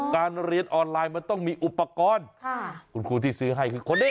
การเรียนออนไลน์มันต้องมีอุปกรณ์คุณครูที่ซื้อให้คือคนนี้